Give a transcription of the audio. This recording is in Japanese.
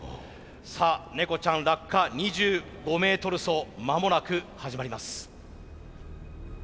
さあネコちゃん落下２５ｍ走間もなく始まります。